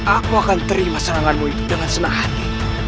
aku akan terima seranganmu itu dengan senang hati